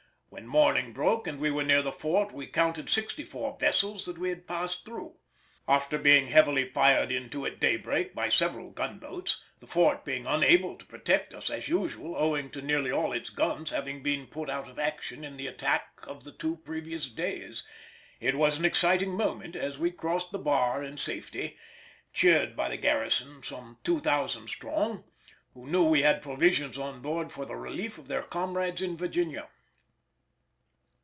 When morning broke and we were near the fort we counted sixty four vessels that we had passed through. After being heavily fired into at daybreak by several gunboats (the fort being unable to protect us as usual, owing to nearly all its guns having been put out of action in the attack of the two previous days), it was an exciting moment as we crossed the bar in safety, cheered by the garrison, some 2000 strong, who knew we had provisions on board for the relief of their comrades in Virginia.